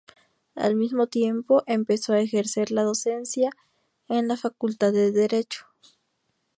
Al mismo tiempo empezó a ejercer la docencia en la facultad de Derecho.